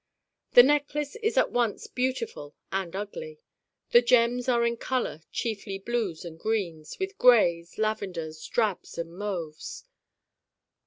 The Necklace is at once beautiful and ugly. The gems are in color chiefly blues and greens with grays, lavenders, drabs and mauves.